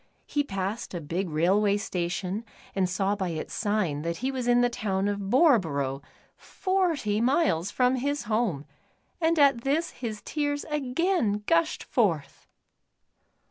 He passed a big railway station and saw by its sign that he was in the town of Boreborough, forty miles from his home, and at this his tears again gushed forth.